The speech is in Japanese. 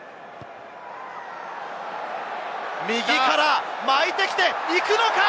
右から巻いてきて、いくのか？